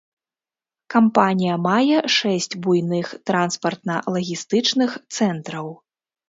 Кампанія мае шэсць буйных транспартна-лагістычных цэнтраў.